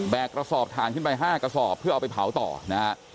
กระสอบถ่านขึ้นไป๕กระสอบเพื่อเอาไปเผาต่อนะฮะ